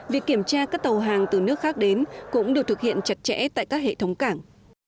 việc kiểm tra các tàu hàng từ nước khác đến cũng được thực hiện chặt chẽ tại các hệ thống cảng